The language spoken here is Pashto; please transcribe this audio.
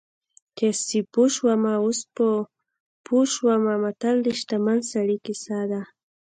چې سیپو شومه اوس په پوه شومه متل د شتمن سړي کیسه ده